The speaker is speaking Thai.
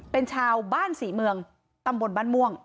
เป็นชาวบ้านศรีเมืองตำบลบ้านม่วง